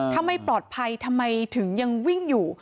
ถ้าไม่ปลอดภัยทำไมถึงยังวิ่งอยู่